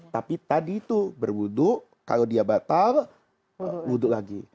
tapi tadi itu berwudhu kalau dia batal wudhu lagi